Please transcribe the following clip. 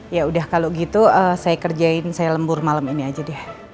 ya udah kalau gitu saya kerjain saya lembur malam ini aja deh